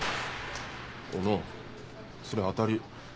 小野それ当たり。